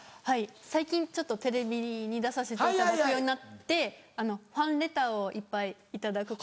最近ちょっとテレビに出させていただくようになってファンレターをいっぱい頂くことが。